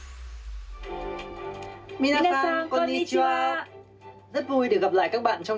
皆さんこんにちは！